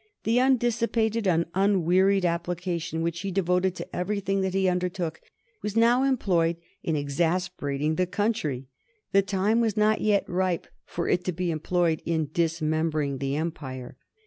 The "undissipated and unwearied application" which he devoted to everything that he undertook was now employed in exasperating the country. The time was not yet ripe for it to be employed in dismembering the empire.